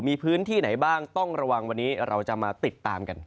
มีพื้นที่ไหนบ้างต้องระวังวันนี้เราจะมาติดตามกัน